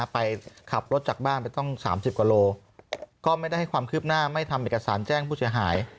ไปขับรถจากบ้านไปต้อง๓๐กว่าโลก็ไม่ได้ให้ความคืบหน้าไม่ทำเอกสารแจ้งผู้เสียหาย